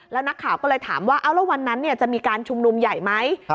แล้วนักข่าวก็เลยถามว่าแล้ววันนั้นจะมีการชุมนุมใหญ่ไหม